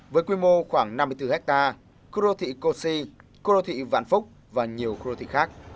với quy mô khoảng năm mươi bốn hectare khu đô thị cô si khu đô thị vạn phúc và nhiều khu đô thị khác